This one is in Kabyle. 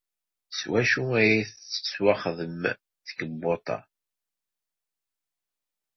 S wacu ay tettwaxdem tkebbuḍt-a?